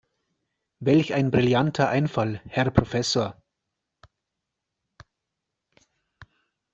Welch ein brillanter Einfall, Herr Professor!